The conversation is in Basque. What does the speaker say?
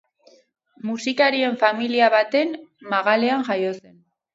Musikarien familia baten magalean jaio zen.